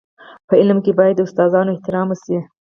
په علم کي باید د استادانو احترام وسي.